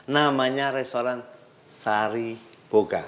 namanya restoran sari boga